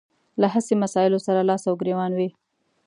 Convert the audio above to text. له هسې مسايلو سره لاس او ګرېوان وي.